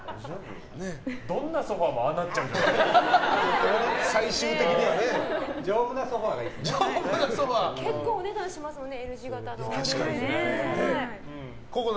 どんなソファもああなっちゃうんじゃないの？